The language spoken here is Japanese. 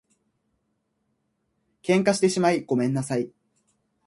喧嘩してしまいごめんなさい